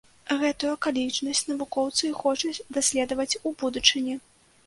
Гэтую акалічнасць навукоўцы і хочуць даследаваць у будучыні.